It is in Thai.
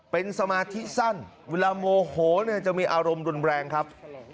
เป็นสมาธิสั้นเวลาโมโหจะมีอารมณ์รุนแรงครับ